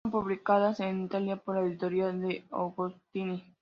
Fueron publicados en Italia por la editorial De Agostini.